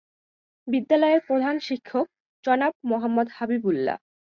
বিদ্যালয়ের প্রধান শিক্ষক জনাব মোহাম্মদ হাবিব উল্লাহ।